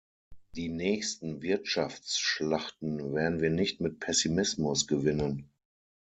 Die nächsten Wirtschaftsschlachten werden wir nicht mit Pessimismus gewinnen.